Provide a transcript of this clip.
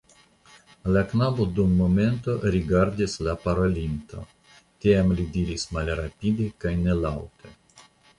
La knabo dum momento rigardis al la parolinto, tiam li diris malrapide kaj nelaŭte.